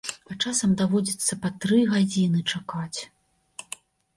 А часам даводзіцца па тры гадзіны чакаць!